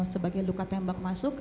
sebagai luka tembak masuk